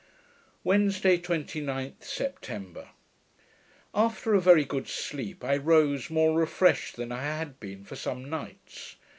Wednesday, 29th September After a very good sleep, I rose more refreshed than I had been for some nights.